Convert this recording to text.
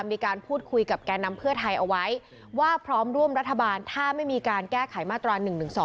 มีการพูดคุยกับแก่นำเพื่อไทยเอาไว้ว่าพร้อมร่วมรัฐบาลถ้าไม่มีการแก้ไขมาตรา๑๑๒